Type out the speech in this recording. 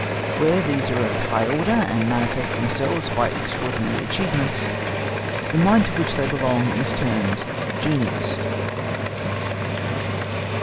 Where these are of a high order, and manifest themselves by extraordinary achievements, the mind to which they belong is termed GENIUS.